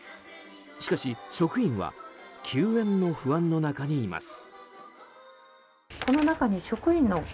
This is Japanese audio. しかし、職員は休園の不安の中にいます。